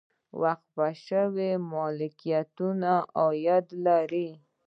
وقف شوي ملکیتونه عاید لري